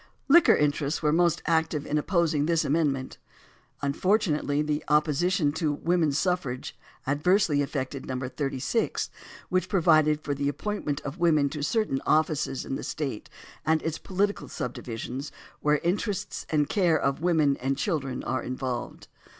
The Uquor interests were most active in opposing this amendment. Unfortunately the opposition to woman's suffrage adversely affected No. 36, which provided for the appointment of women to certain offices of the State and its pohtical subdivisions "where the interests and care of women and children are involved."